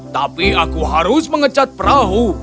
tapi aku harus mengecat perahu